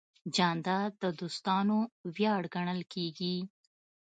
جانداد د دوستانو ویاړ ګڼل کېږي.